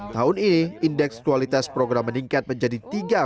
tahun ini indeks kualitas program meningkat menjadi tiga lima puluh enam